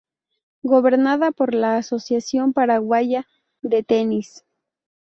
Gobernada por la Asociación Paraguaya de Tenis.